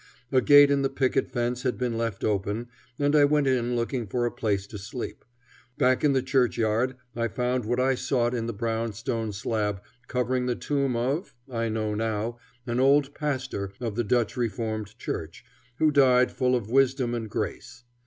A gate in the picket fence had been left open, and I went in looking for a place to sleep. Back in the churchyard I found what I sought in the brownstone slab covering the tomb of, I know now, an old pastor of the Dutch Reformed Church, who died full of wisdom and grace.